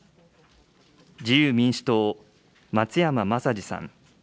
自由民主党、松山政司さん。